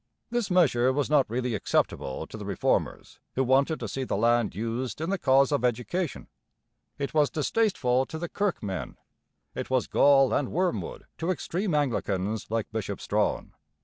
This measure was not really acceptable to the Reformers, who wanted to see the land used in the cause of education; it was distasteful to the Kirk men; it was gall and wormwood to extreme Anglicans like Bishop Strachan.